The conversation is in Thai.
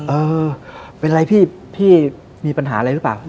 เออเป็นไรพี่มีปัญหาอะไรหรือเปล่า